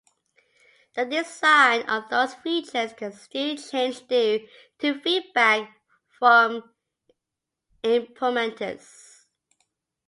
The design of those features can still change due to feedback from implementors.